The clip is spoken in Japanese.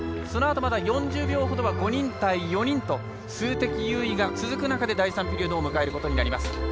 そのあと、まだ４０秒ほどは５人対４人と数的優位が続く中で第３ピリオドを迎えることになります。